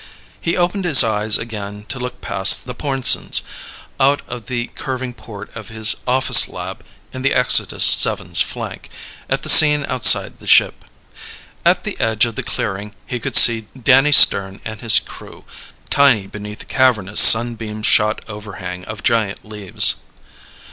He opened his eyes again to look past the Pornsens, out of the curving port of his office lab in the Exodus VII's flank, at the scene outside the ship. At the edge of the clearing he could see Danny Stern and his crew, tiny beneath the cavernous sunbeam shot overhang of giant leaves.